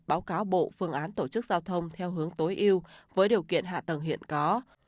báo cáo bộ phương án tổ chức giao thông theo hướng tối yêu với điều kiện hạ tầng hiện có